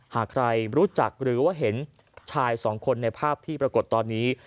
หากใครรู้จักหรือว่าเห็นชายสองคนในภาพที่ปรากฏตอนนี้